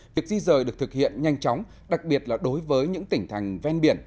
việc di rời được thực hiện nhanh chóng đặc biệt là đối với những tỉnh thành ven biển